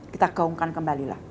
kita gaungkan kembali lah